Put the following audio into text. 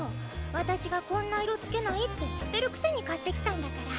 私がこんな色つけないって知ってるくせに買ってきたんだから。